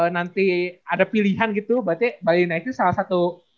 nanti ada pilihan gitu berarti bali united salah satu